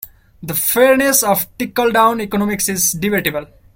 The fairness of trickle-down economics is debatable.